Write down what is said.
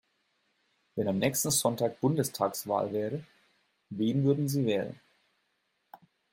Wenn am nächsten Sonntag Bundestagswahl wäre, wen würden Sie wählen?